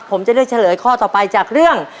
ผมจะเลือกเฉลยข้อต่อไปจากเรื่อง